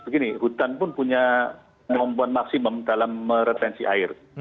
begini hutan pun punya kemampuan maksimum dalam meretensi air